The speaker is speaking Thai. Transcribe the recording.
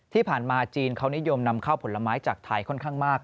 ที่ผ่านมาจีนเขานิยมนำเข้าผลไม้จากไทยค่อนข้างมาก